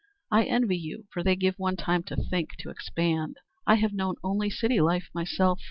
I envy you, for they give one time to think to expand. I have known only city life myself.